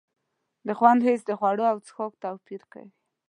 د خوند حس د خوړو او څښاک توپیر کوي.